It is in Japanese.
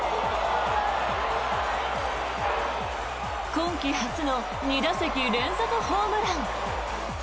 今季初の２打席連続ホームラン。